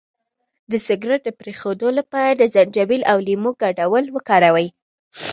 د سګرټ د پرېښودو لپاره د زنجبیل او لیمو ګډول وکاروئ